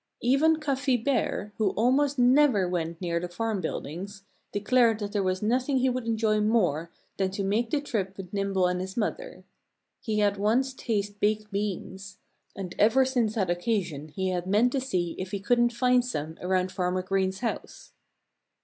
Even Cuffy Bear, who almost never went near the farm buildings, declared that there was nothing he would enjoy more than to make the trip with Nimble and his mother. He had once tasted baked beans. And ever since that occasion he had meant to see if he couldn't find some around Farmer Green's house.